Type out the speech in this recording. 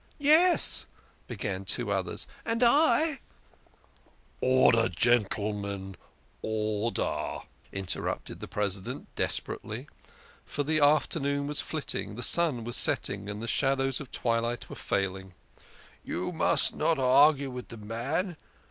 "Yes," began two others, " and I " "Order, gentlemen, order," interrupted the President desperately, for the afternoon was flitting, the sun was set ting, and the shadows of twilight were falling. " You must not argue with the man.